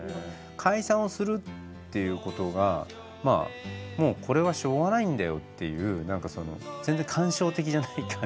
解散をするっていうことがまあもうこれはしょうがないんだよっていう何かその全然感傷的じゃない感じとかがすごい。